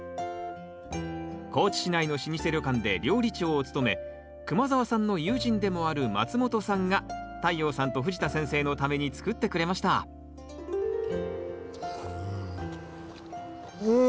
高地市内の老舗旅館で料理長を務め熊澤さんの友人でもある松本さんが太陽さんと藤田先生のために作ってくれましたうん！